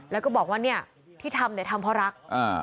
แล้วก็บอกว่าเนี่ยที่ทำเนี่ยทำทำเพราะรัก